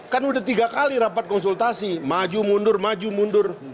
kan udah tiga kali rapat konsultasi maju mundur maju mundur